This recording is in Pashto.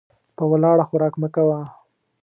په ولاړه خوراک مه کوه .